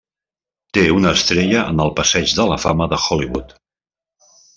Té una estrella en el Passeig de la Fama de Hollywood.